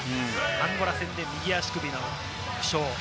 アンゴラ戦で右足首の負傷。